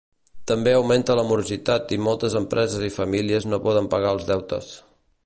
També augmenta la morositat i moltes empreses i famílies no poden pagar els deutes.